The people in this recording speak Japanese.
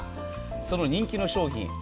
その人気の商品。